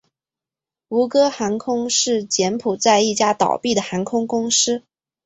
吴哥航空是柬埔寨一家倒闭的航空公司。